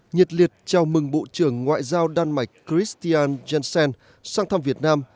nhiệt liệt chào mừng bộ trưởng ngoại giao đan mạch christian jansen sang thăm việt nam